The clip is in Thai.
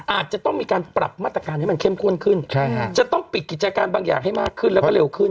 อาจจะต้องมีการปรับมาตรการให้มันเข้มข้นขึ้นจะต้องปิดกิจการบางอย่างให้มากขึ้นแล้วก็เร็วขึ้น